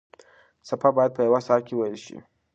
څپه باید په یوه ساه کې وېل شي.